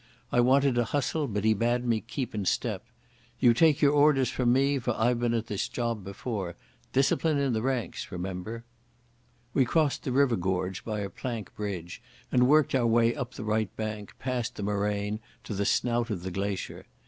I wanted to hustle, but he bade me keep in step. "You take your orders from me, for I've been at this job before. Discipline in the ranks, remember." We crossed the river gorge by a plank bridge, and worked our way up the right bank, past the moraine, to the snout of the glacier.